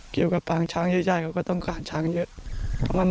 เกี่ยวกับการทางช้างเยอะเขาก็ต้องการช้างเยอะ